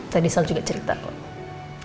tadi sal juga cerita kok